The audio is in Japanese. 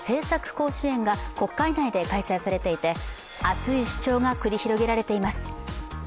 甲子園が国会内で開催されていて熱い主張が繰り広げられています。